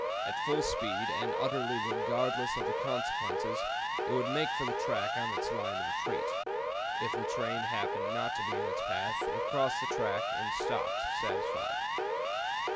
At full speed, and utterly regardless of the consequences, it would make for the track on its line of retreat. If the train happened not to be in its path, it crossed the track and stopped satisfied.